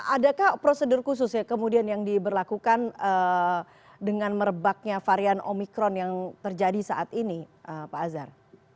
adakah prosedur khusus ya kemudian yang diberlakukan dengan merebaknya varian omikron yang terjadi saat ini pak azhar